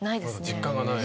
実感がない？